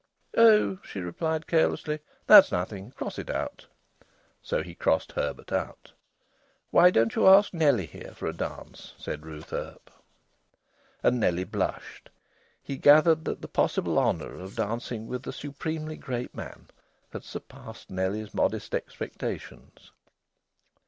"Oh!" she replied carelessly, "that's nothing. Cross it out." So he crossed Herbert out. "Why don't you ask Nellie here for a dance?" said Ruth Earp. And Nellie blushed. He gathered that the possible honour of dancing with the supremely great man had surpassed Nellie's modest expectations.